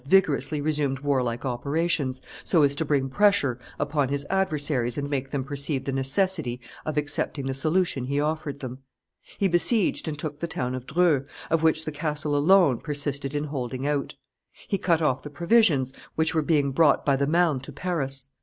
vigorously resumed warlike operations, so as to bring pressure upon his adversaries and make them perceive the necessity of accepting the solution he offered them. He besieged and took the town of Dreux, of which the castle alone persisted in holding out. He cut off the provisions which were being brought by the Marne to Paris.